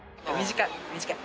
短い。